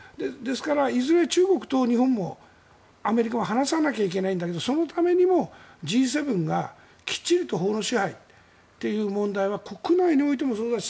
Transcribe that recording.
いずれ中国と日本もアメリカを離さなきゃいけないんだけどそのためにもＧ７がきっちりと法の支配という問題は国内においてもそうだし